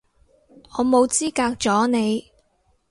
我冇資格阻你